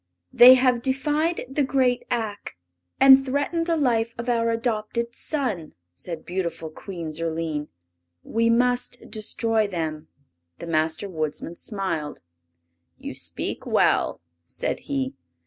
"They have defied the great Ak, and threaten the life of our adopted son," said beautiful Queen Zurline. "We must destroy them." The Master Woodsman smiled. "You speak well," said he.